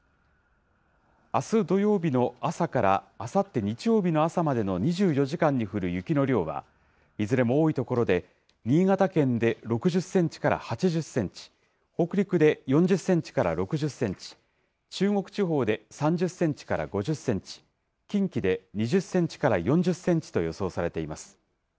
あす土曜日の朝から、あさって日曜日の朝までの２４時間に降る雪の量は、いずれも多い所で、新潟県で６０センチから８０センチ、北陸で４０センチから６０センチ、中国地方で３０センチから５０センチ、近畿で２０センチから４０センチと予想されています。